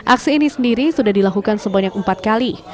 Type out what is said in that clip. aksi ini sendiri sudah dilakukan sebanyak empat kali